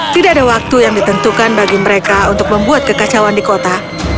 tidak ada waktu yang ditentukan bagi mereka untuk membuat kekacauan di kota